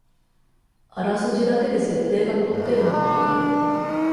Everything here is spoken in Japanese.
あらすじだけで設定がこってるのがわかる